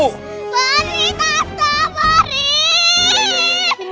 beri tata beri